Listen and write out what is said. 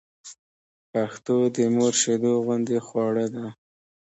پښتو د مور شېدو غوندې خواړه ده